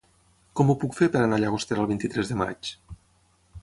Com ho puc fer per anar a Llagostera el vint-i-tres de maig?